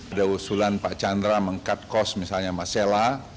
ada usulan pak chandra meng cut cost misalnya masela